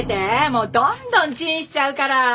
もうどんどんチンしちゃうから！